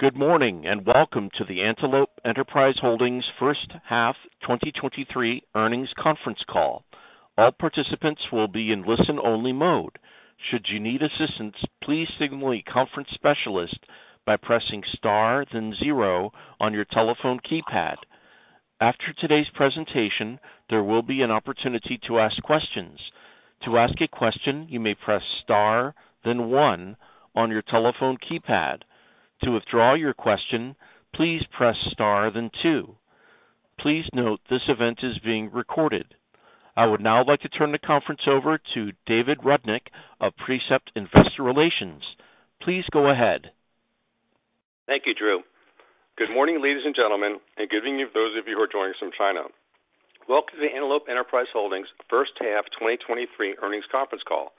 Good morning, and welcome to the Antelope Enterprise Holdings First Half 2023 Earnings Conference Call. All participants will be in listen-only mode. Should you need assistance, please signal a conference specialist by pressing star then zero on your telephone keypad. After today's presentation, there will be an opportunity to ask questions. To ask a question, you may press star then one on your telephone keypad. To withdraw your question, please press star then two. Please note this event is being recorded. I would now like to turn the conference over to David Rudnick of Precept Investor Relations. Please go ahead. Thank you, Drew. Good morning, ladies and gentlemen, and good evening those of you who are joining us from China. Welcome to the Antelope Enterprise Holdings First Half 2023 Earnings Conference Call.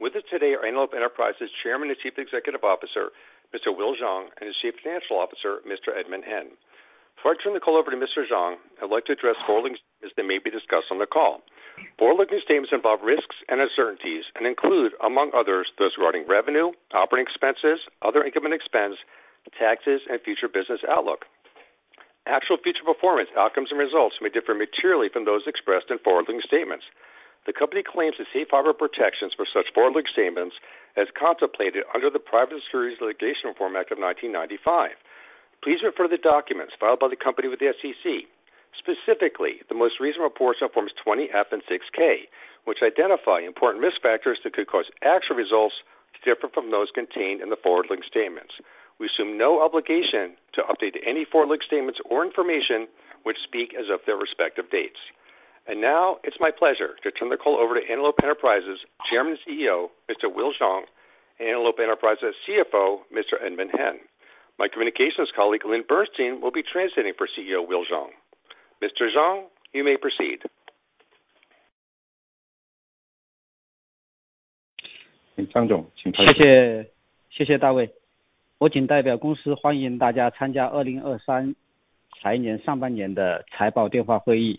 With us today are Antelope Enterprise Holdings' Chairman and Chief Executive Officer, Mr. Will Zhang, and his Chief Financial Officer, Mr. Edmund Hen. Before I turn the call over to Mr. Zhang, I'd like to address forward-looking statements as they may be discussed on the call. Forward-looking statements involve risks and uncertainties and include, among others, those regarding revenue, operating expenses, other income and expense, taxes, and future business outlook. Actual future performance, outcomes, and results may differ materially from those expressed in forward-looking statements. The company claims the safe harbor protections for such forward-looking statements as contemplated under the Private Securities Litigation Reform Act of 1995. Please refer to the documents filed by the company with the SEC, specifically the most recent reports on Forms 20-F and 6-K, which identify important risk factors that could cause actual results to differ from those contained in the forward-looking statements. We assume no obligation to update any forward-looking statements or information which speak as of their respective dates. Now it's my pleasure to turn the call over to Antelope Enterprise Chairman and CEO, Mr. Will Zhang, and Antelope Enterprise CFO, Mr. Edmund Hen. My communications colleague, Lynn Burstein, will be translating for CEO Will Zhang. Mr. Zhang, you may proceed. Thank you.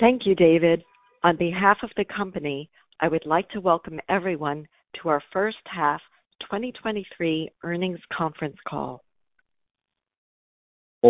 Thank you, David. On behalf of the company, I would like to welcome everyone to our first half 2023 earnings conference call. I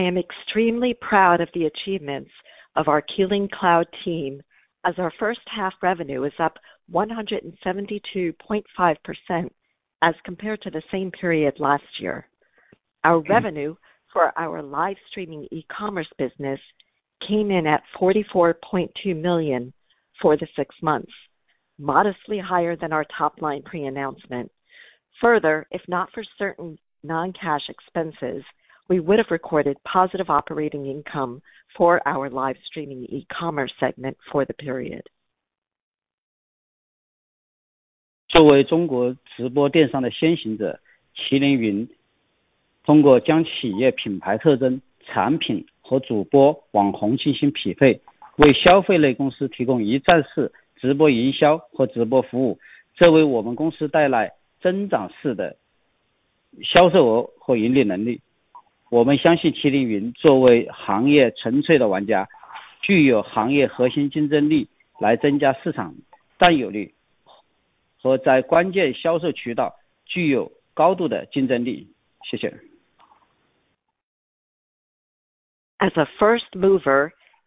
am extremely proud of the achievements of our Kylin Cloud team as our first half revenue is up 172.5% as compared to the same period last year. Our revenue for our live streaming e-commerce business came in at 44.2 million for the six months, modestly higher than our top-line pre-announcement. Further, if not for certain non-cash expenses, we would have recorded positive operating income for our live streaming e-commerce segment for the period. As a first mover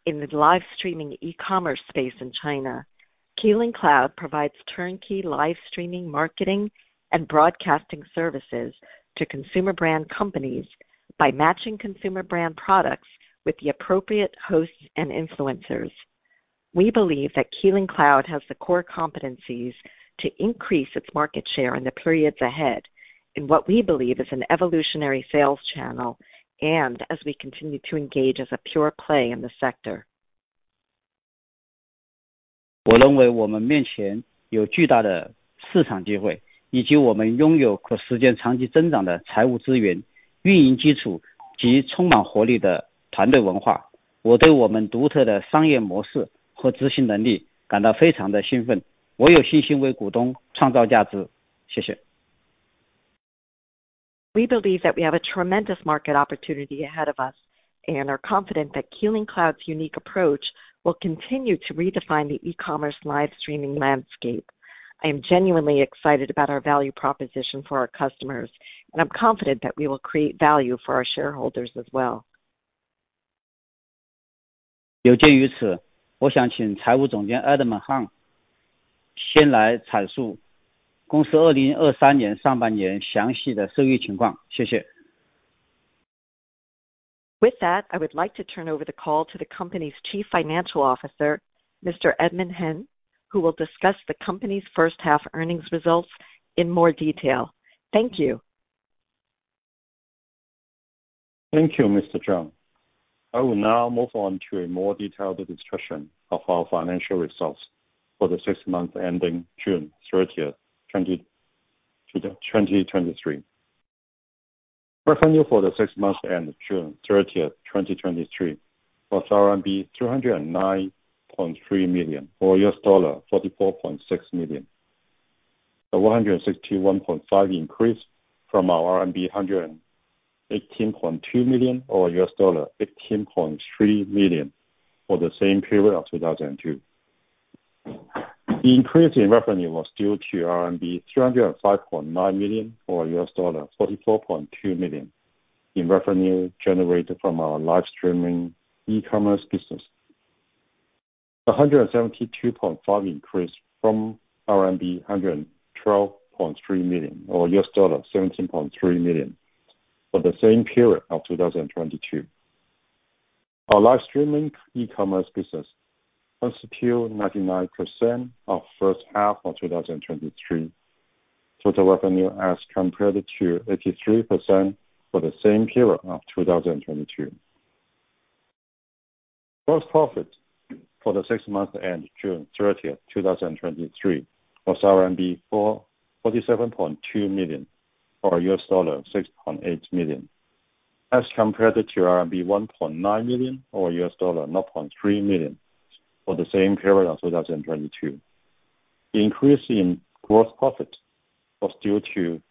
in the live streaming e-commerce space in China, Kylin Cloud provides turnkey live streaming, marketing, and broadcasting services to consumer brand companies by matching consumer brand products with the appropriate hosts and influencers. We believe that Kylin Cloud has the core competencies to increase its market share in the periods ahead, in what we believe is an evolutionary sales channel, and as we continue to engage as a pure play in the sector. We believe that we have a tremendous market opportunity ahead of us and are confident that Kylin Cloud's unique approach will continue to redefine the e-commerce live streaming landscape. I am genuinely excited about our value proposition for our customers, and I'm confident that we will create value for our shareholders as well. With that, I would like to turn over the call to the company's Chief Financial Officer, Mr. Edmund Hen, who will discuss the company's first half earnings results in more detail. Thank you. Thank you, Mr. Zhang. I will now move on to a more detailed discussion of our financial results for the six months ending June 30th, 2023. Revenue for the six months end June 30th, 2023, was RMB 309.3 million, or $44.6 million. A 161.5 increase from our RMB 118.2 million or $18.3 million for the same period of 2022. The increase in revenue was due to RMB 305.9 million or $44.2 million, in revenue generated from our live streaming e-commerce business. A 172.5 increase from RMB 112.3 million or $17.3 million for the same period of 2022. Our live streaming e-commerce business constitute 99% of first half of 2023 total revenue as compared to 83% for the same period of 2022. Gross profit for the six months end June 30, 2023, was RMB 47.2 million or $6.8 million. As compared to RMB 1.9 million or $0.3 million for the same period of 2022. The increase in gross profit was due to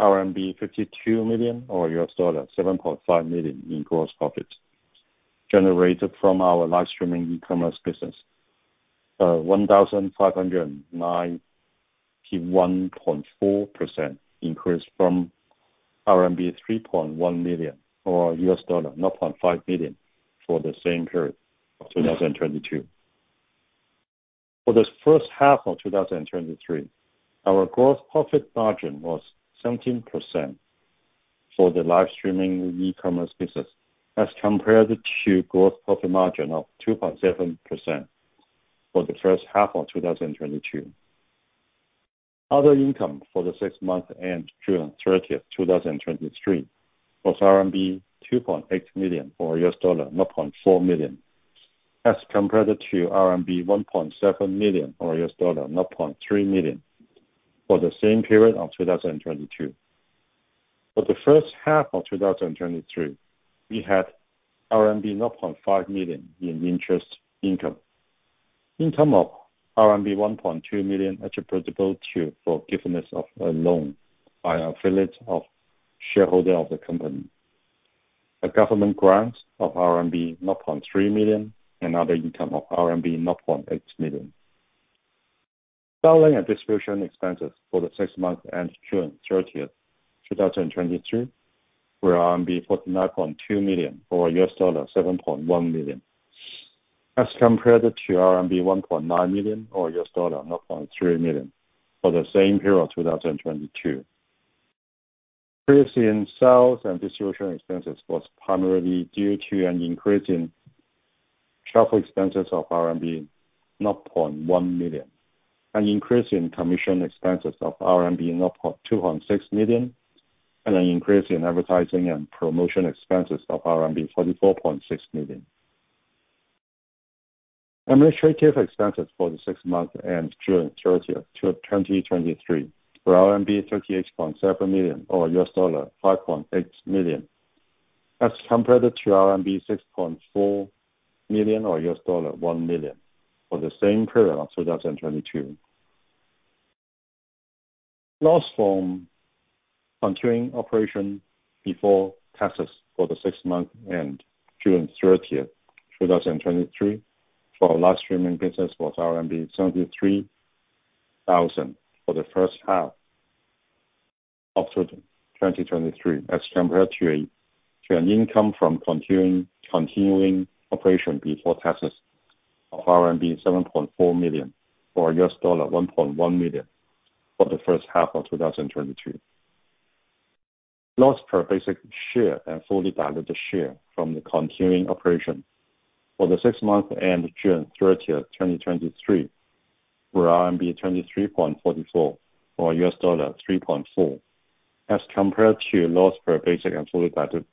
RMB 52 million or $7.5 million in gross profit, generated from our live streaming e-commerce business, 1,591.4% increase from RMB 3.1 million or $0.5 million for the same period of 2022. For the first half of 2023, our gross profit margin was 17% for the live streaming e-commerce business, as compared to gross profit margin of 2.7% for the first half of 2022. Other income for the six months ended June 30, 2023, was RMB 2.8 million or $0.4 million, as compared to RMB 1.7 million or $0.3 million for the same period of 2022. For the first half of 2023, we had RMB 0.5 million in interest income. Income of RMB 1.2 million attributable to forgiveness of a loan by affiliates of shareholder of the company. A government grant of RMB 0.3 million and other income of RMB 0.8 million. Selling and distribution expenses for the six months ended June 30th, 2023, were 49.2 million or $7.1 million. As compared to RMB 1.9 million or $0.3 million for the same period, 2022. Increase in sales and distribution expenses was primarily due to an increase in travel expenses of 0.1 million RMB, an increase in commission expenses of 0.26 million RMB, and an increase in advertising and promotion expenses of RMB 44.6 million. Administrative expenses for the six months ended June 30th, 2023, were RMB 38.7 million or $5.8 million. As compared to RMB 6.4 million or $1 million for the same period of 2022. Loss from continuing operation before taxes for the six months ended June 30th, 2023, for our live streaming business was RMB 73,000 for the first half of 2023. As compared to an income from continuing operation before taxes of RMB 7.4 million or $1.1 million for the first half of 2022. Loss per basic share and fully diluted share from the continuing operation for the six months ended June 30, 2023, were RMB 23.44 or $3.4. As compared to loss per basic and fully diluted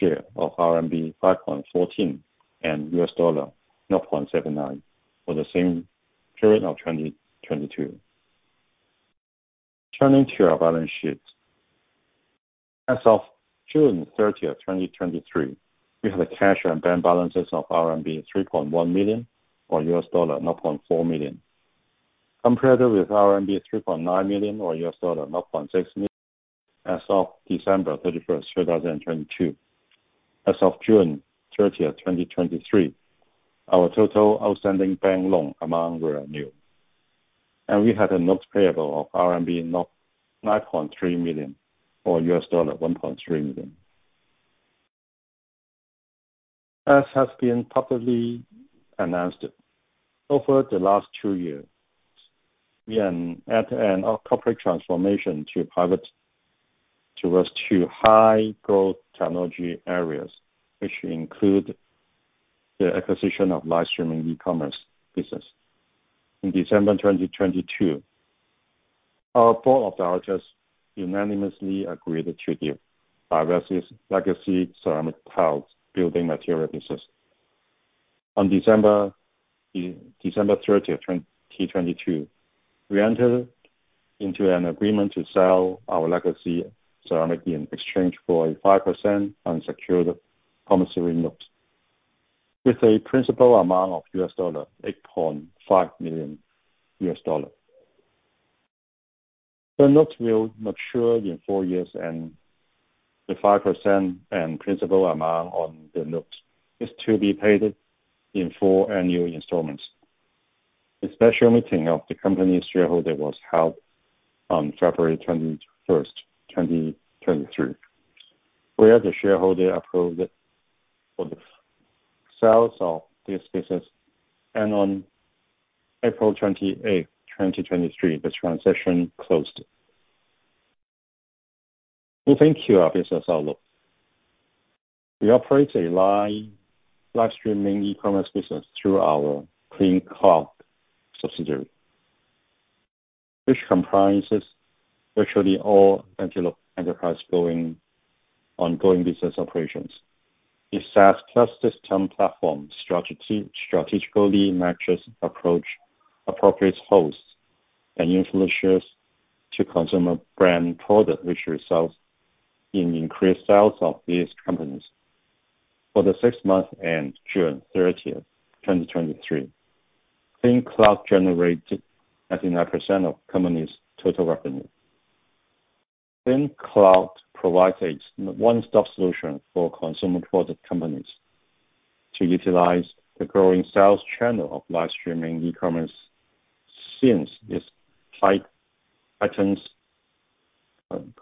share of RMB 5.14 and $0.79 for the same period of 2022. Turning to our balance sheet. As of June 30th, 2023, we have a cash and bank balances of RMB 3.1 million or $0.4 million. Compared with RMB 3.9 million or $0.6 million as of December 31st, 2022. As of June 30th, 2023, our total outstanding bank loan amount were none, and we had a notes payable of 0.9 million RMB or $1.3 million. As has been publicly announced, over the last two years, we are at a corporate transformation to pivot towards to high growth technology areas, which include the acquisition of live streaming e-commerce business. In December 2022, our board of directors unanimously agreed to divest our legacy ceramic tiles building material business. On December 30th, 2022, we entered into an agreement to sell our legacy ceramic in exchange for a 5% unsecured promissory note with a principal amount of $8.5 million. The note will mature in four years, and the 5% and principal amount on the note is to be paid in four annual installments. A special meeting of the company's shareholder was held on February 21, 2023, where the shareholder approved for the sales of this business. And on April 28, 2023, this transition closed. Moving to our business outlook. We operate a live streaming e-commerce business through our Kylin Cloud subsidiary, which comprises virtually all Antelope Enterprise going ongoing business operations. The SaaS plus system platform strategy strategically matches appropriate hosts and influencers to consumer brand product, which results in increased sales of these companies. For the sixth month ended June 30th, 2023, Kylin Cloud generated 99% of company's total revenue. Kylin Cloud provides a one-stop solution for consumer product companies to utilize the growing sales channel of live streaming e-commerce, since this heightens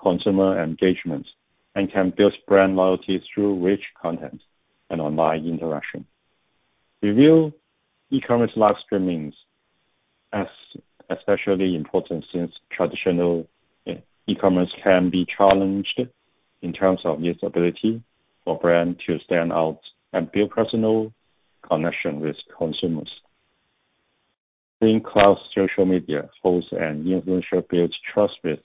consumer engagement and can build brand loyalty through rich content and online interaction. We view e-commerce live streamings as especially important, since traditional e-commerce can be challenged in terms of its ability for brand to stand out and build personal connection with consumers. Kylin Cloud social media hosts and influencer builds trust with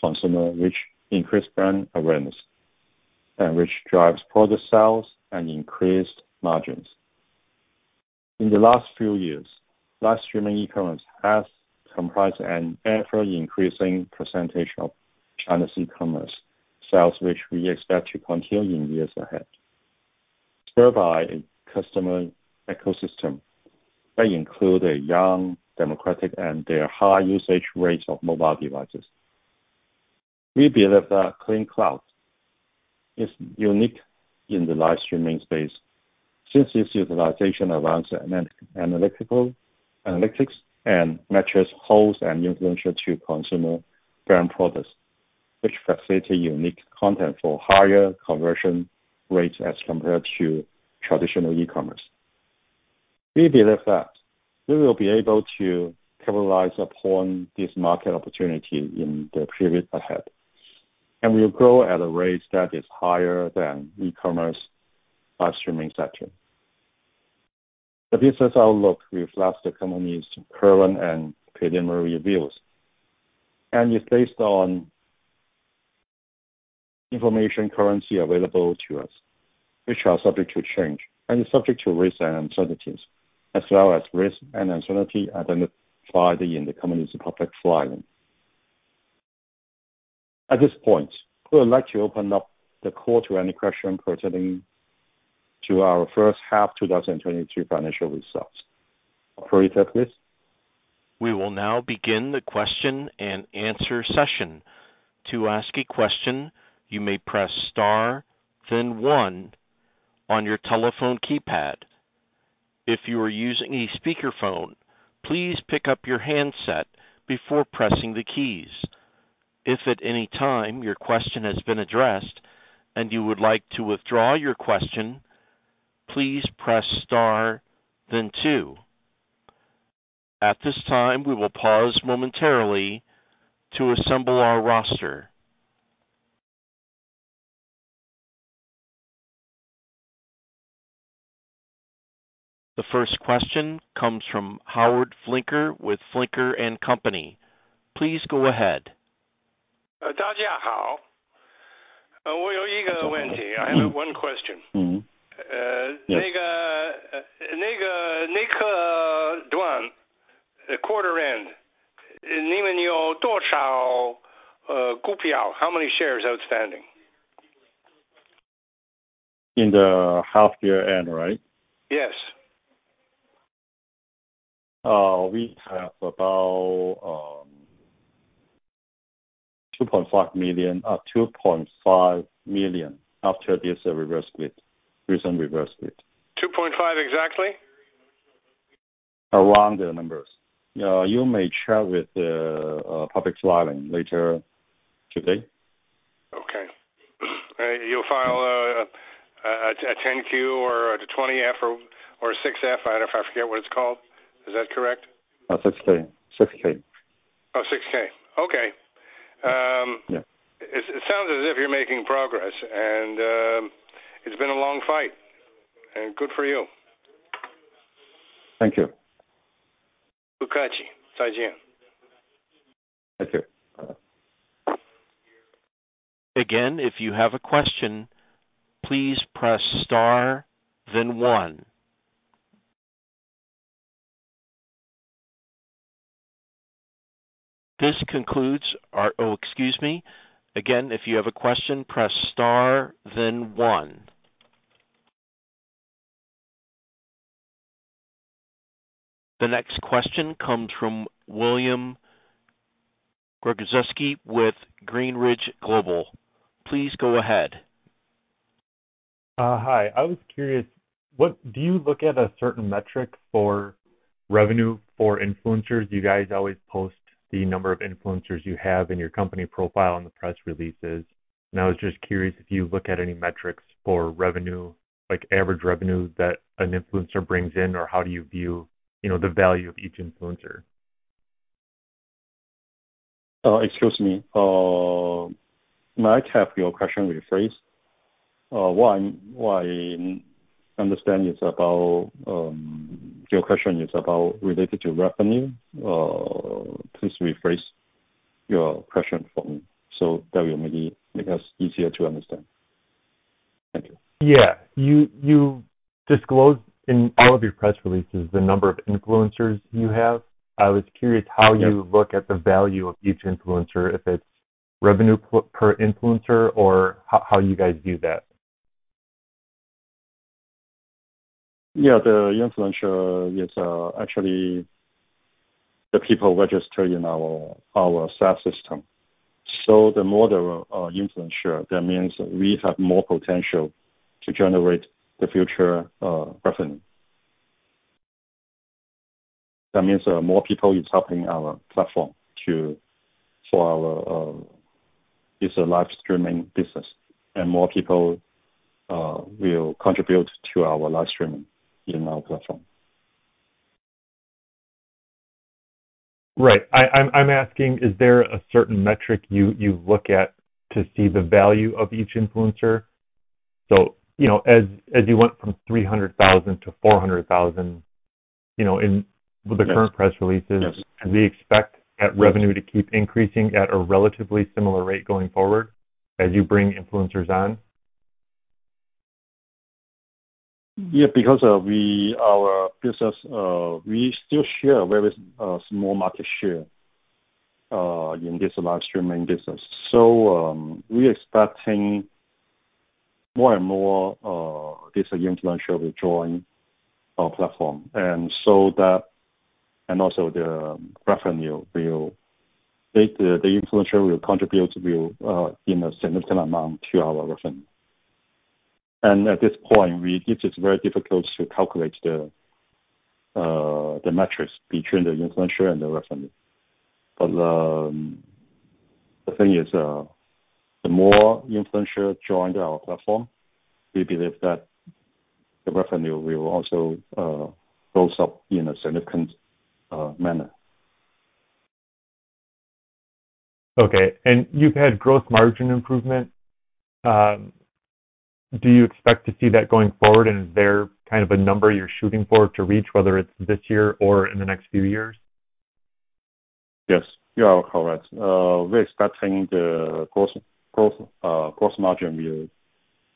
consumers, which increase brand awareness, and which drives product sales and increased margins. In the last few years, live streaming e-commerce has comprised an ever-increasing presentation of China's e-commerce sales, which we expect to continue in years ahead, driven by customer ecosystem that include a young, democratic, and their high usage rates of mobile devices. We believe that Kylin Cloud is unique in the live streaming space since its utilization of analytics and matches hosts and influencers to consumer brand products, which facilitate unique content for higher conversion rates as compared to traditional e-commerce. We believe that we will be able to capitalize upon this market opportunity in the period ahead, and we will grow at a rate that is higher than e-commerce live streaming sector. The business outlook reflects the company's current and preliminary views, and is based on information currently available to us, which are subject to change and is subject to risks and uncertainties, as well as risks and uncertainty identified in the company's public filing. At this point, we would like to open up the call to any question pertaining to our first half, 2023 financial results. Operator, please. We will now begin the question and answer session. To ask a question, you may press star then one on your telephone keypad. If you are using a speakerphone, please pick up your handset before pressing the keys. If at any time your question has been addressed and you would like to withdraw your question, please press star then two. At this time, we will pause momentarily to assemble our roster. The first question comes from Howard Flinker with Flinker & Co. Please go ahead. I have one question. Mm-hmm. Uh- Yes. The quarter end, how many shares outstanding? In the half year end, right? Yes. We have about 2.5 million, 2.5 million after this reverse split, recent reverse split. 2.5 exactly? Around the numbers. You may check with the public filing later today. Okay. You'll file a 10-Q or a 20-F or 6-K. I don't know, I forget what it's called. Is that correct? 6-K.... Yeah. It, it sounds as if you're making progress, and, it's been a long fight, and good for you. Thank you. Thank you. Again, if you have a question, please press star, then one. This concludes our... Oh, excuse me. Again, if you have a question, press star, then one. The next question comes from William Gregozeski with GreenRidge Global. Please go ahead. Hi. I was curious, what do you look at a certain metric for revenue for influencers? You guys always post the number of influencers you have in your company profile on the press releases, and I was just curious if you look at any metrics for revenue, like average revenue, that an influencer brings in, or how do you view, you know, the value of each influencer? Excuse me, might I have your question rephrased? What I understand it's about, your question is about related to revenue. Please rephrase your question for me, so that will maybe make us easier to understand. Thank you. Yeah. You, you disclose in all of your press releases, the number of influencers you have. I was curious how- Yes. You look at the value of each influencer, if it's revenue per influencer or how you guys view that? Yeah, the influencer is actually the people registered in our staff system. So the more the influencer, that means we have more potential to generate the future revenue. That means more people is helping our platform to, for our it's a live streaming business, and more people will contribute to our live streaming in our platform. Right. I'm asking, is there a certain metric you look at to see the value of each influencer? So, you know, as you went from 300,000 to 400,000, you know, in- Yes. with the current press releases Yes. Do we expect that revenue to keep increasing at a relatively similar rate going forward as you bring influencers on? Yeah, because, we, our business, we still share a very, small market share, in this live streaming business. So, we are expecting more and more, this influencer will join our platform, and so that, and also the revenue will... It, the influencer will contribute to, in a significant amount to our revenue. And at this point, we, it is very difficult to calculate the, the metrics between the influencer and the revenue. But, the thing is, the more influencers joined our platform, we believe that the revenue will also, close up in a significant, manner. Okay. And you've had growth margin improvement. Do you expect to see that going forward, and is there kind of a number you're shooting for, to reach, whether it's this year or in the next few years? Yes. You are correct. We're expecting the gross margin will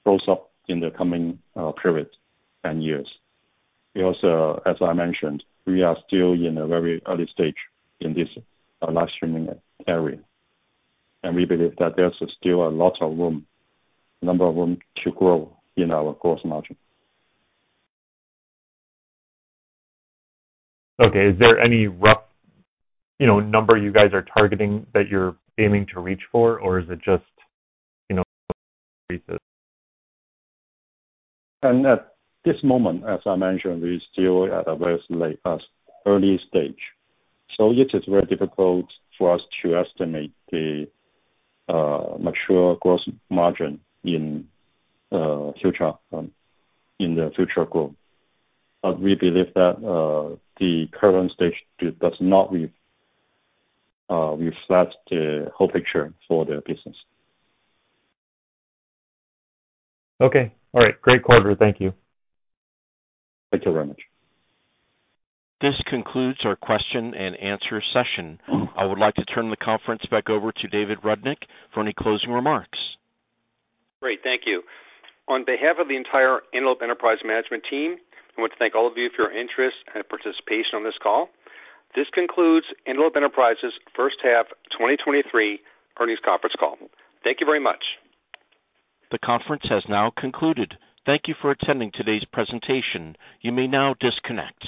close up in the coming periods and years. We also, as I mentioned, we are still in a very early stage in this live streaming area, and we believe that there's still a lot of room to grow in our gross margin. Okay. Is there any rough, you know, number you guys are targeting that you're aiming to reach for, or is it just, you know? At this moment, as I mentioned, we're still at a very early stage, so it is very difficult for us to estimate the mature gross margin in future in the future growth. But we believe that the current stage does not reflect the whole picture for the business. Okay. All right. Great quarter. Thank you. Thank you very much. This concludes our question and answer session. I would like to turn the conference back over to David Rudnick for any closing remarks. Great. Thank you. On behalf of the entire Antelope Enterprise Management team, I want to thank all of you for your interest and participation on this call. This concludes Antelope Enterprise first half, 2023 earnings conference call. Thank you very much. The conference has now concluded. Thank you for attending today's presentation. You may now disconnect.